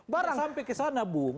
sampai ke sana bang